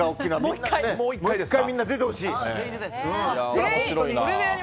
もう１回、みんな出てほしい。